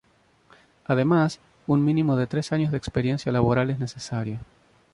Además, un mínimo de tres años de experiencia laboral es necesario.